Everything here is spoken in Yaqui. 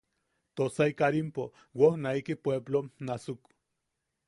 Tosai Karimpo wojnaiki puepplom nasuk.